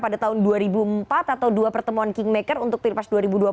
pada tahun dua ribu empat atau dua pertemuan kingmaker untuk pilpres dua ribu dua puluh empat